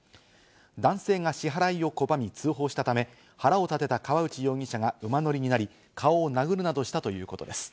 男性が支払いを拒み通報したため、腹を立てた河内容疑者が馬乗りになり、顔を殴るなどしたということです。